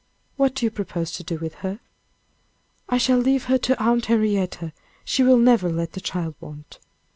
"What do you propose to do with her?" "I shall leave her to Aunt Henrietta she will never let the child want."